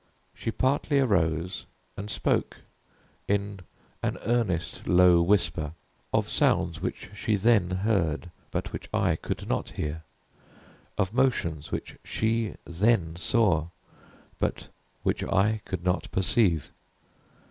She partly arose, and spoke, in an earnest low whisper, of sounds which she then heard, but which I could not hear of motions which she then saw, but which I could not perceive.